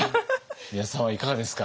宮田さんはいかがですか？